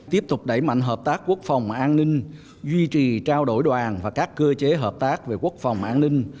tiếp tục đẩy mạnh hợp tác quốc phòng an ninh duy trì trao đổi đoàn và các cơ chế hợp tác về quốc phòng an ninh